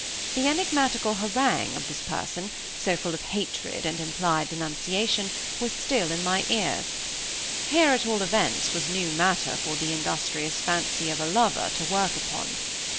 The enigmatical harangue of this person, so full of hatred and implied denunciation, was still in my ears. Here at all events was new matter for the industrious fancy of a lover to work upon.